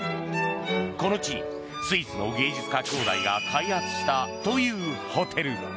この地にスイスの芸術家兄弟が開発したというホテル。